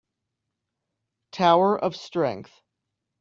Tower of strength